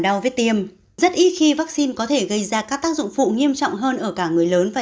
đau vết tiêm rất ít khi vắc xin có thể gây ra các tác dụng phụ nghiêm trọng hơn ở cả người lớn và